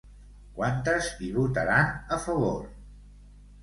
Quantes hi votaran a favor?